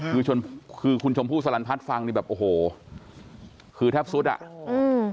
คือคุณชมพู่สลันพัฒน์ฟังนี่แบบโอ้โหคือแทบสุดอ่ะอืม